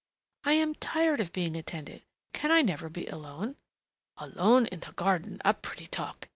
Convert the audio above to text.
"I am tired of being attended! Can I never be alone " "Alone in the garden!... A pretty talk!